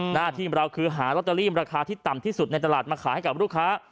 หน้าที่เราคือหาลอตเตอรี่ราคาที่ต่ำที่สุดในตลาดมาขายให้กับลูกค้า